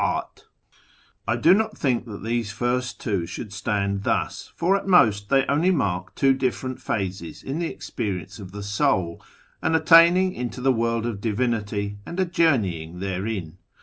Each stage in either column corresponds with ^ I do not think that these first two should stand thus, for at most they only mark two different phases in the experience of the soul — an attaining unto the AVorld of Divinity, and a journeying therein.